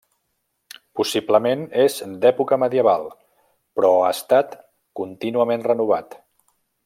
Possiblement és d'època medieval però ha estat contínuament renovat.